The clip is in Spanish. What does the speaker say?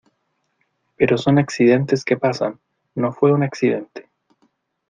pero son accidentes que pasan. no fue un accidente .